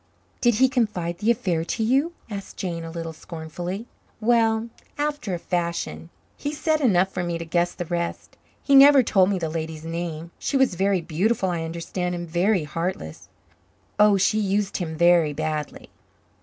"Did he confide the affair to you?" asked Jane, a little scornfully. "Well, after a fashion. He said enough for me to guess the rest. He never told me the lady's name. She was very beautiful, I understand, and very heartless. Oh, she used him very badly."